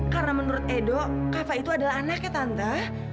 karena menurut edo kava itu adalah anaknya tante